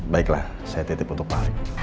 baiklah saya titip untuk pak ari